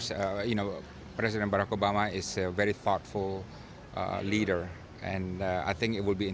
saya rasa akan menarik untuk mendengar apa yang harus dia katakan tentang hal ini